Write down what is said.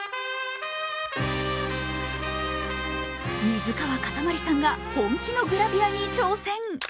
水川かたまりさんが本気のグラビアに挑戦。